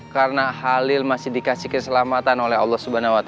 karena halil masih dikasih keselamatan oleh allah swt